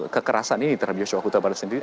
kekerasan ini terhadap yosho akutabara sendiri